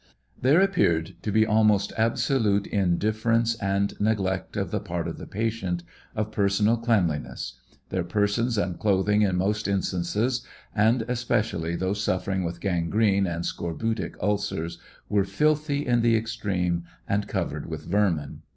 There appeared to be almost absolute indifference and neglect of the part of the patient, of personal cleanliness ; their persons and clothing in most instances, and especially those suffering with gan grene and scorbutic ulcers, were filthy in the extreme and covered with vermin.